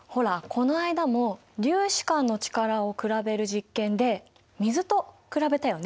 この間も粒子間の力を比べる実験で水と比べたよね。